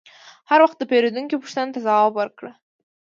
هر وخت د پیرودونکي پوښتنو ته ځواب ورکړه.